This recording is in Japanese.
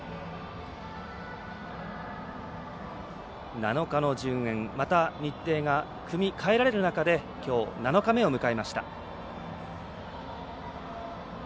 ７日の順延また日程が組みかえられる中できょう、７日目を迎えました。